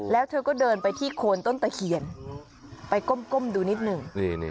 แล้วเธอก็เดินไปที่โคนต้นตะเคียนไปก้มดูนิดหนึ่ง